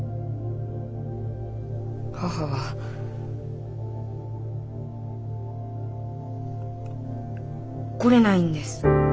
母は来れないんです。